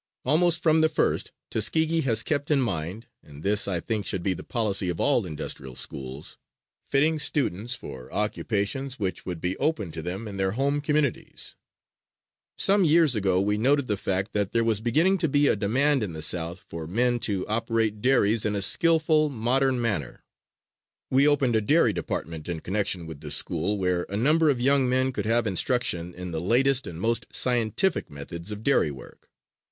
Almost from the first Tuskegee has kept in mind and this I think should be the policy of all industrial schools fitting students for occupations which would be open to them in their home communities. Some years ago we noted the fact that there was beginning to be a demand in the South for men to operate dairies in a skillful, modern manner. We opened a dairy department in connection with the school, where a number of young men could have instruction in the latest and most scientific methods of dairy work.